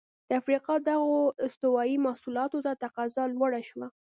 د افریقا دغو استوايي محصولاتو ته تقاضا لوړه شوه.